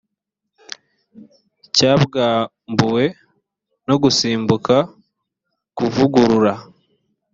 cyabwambuwe no gusimbuza kuvugurura